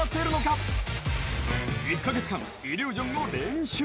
［１カ月間イリュージョンを練習］